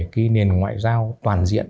kỷ niệm ngoại giao toàn diện